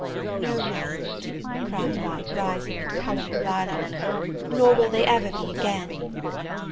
"No, my Lord," cried I, rising and colouring violently, "nor will they ever be again."